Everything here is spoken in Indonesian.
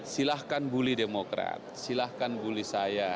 silahkan buli demokrat silahkan buli saya